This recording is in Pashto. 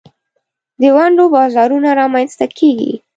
د ونډو بازارونه رامینځ ته کیږي.